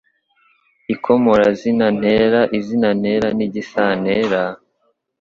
ikomorazina, ntera, izina ntera n'igisantera,